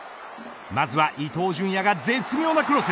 まずは伊東純也が絶妙なクロス。